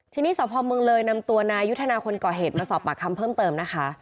ทีนี้สพเมืองเลยนำตัวนายุทธนาคนก่อเหตุมาสอบปากคำเพิ่มเติมนะคะ